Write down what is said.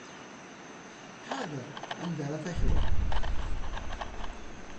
Ḥader anda ara takleḍ.